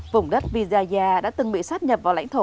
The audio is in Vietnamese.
vùng đất vizaya đã từng bị sát nhập vào lãnh thổ